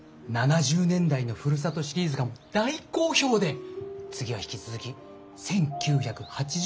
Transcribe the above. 「７０年代のふるさと」シリーズが大好評で次は引き続き１９８０年代をお願いしたいんです。